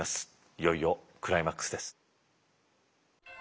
いよいよクライマックスです。